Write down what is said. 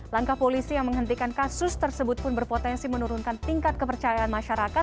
langkah polisi yang menghentikan kasus tersebut pun berpotensi menurunkan tingkat kepercayaan masyarakat